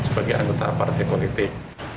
bagaimana anggota partai politik